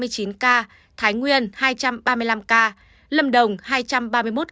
thái nguyên hai trăm ba mươi năm ca lâm đồng hai trăm ba mươi năm ca